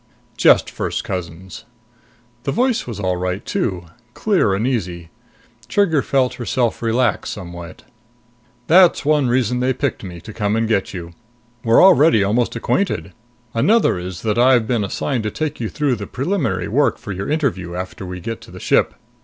"Just first cousins." The voice was all right too clear and easy. Trigger felt herself relax somewhat. "That's one reason they picked me to come and get you. We're already almost acquainted. Another is that I've been assigned to take you through the preliminary work for your interview after we get to the ship.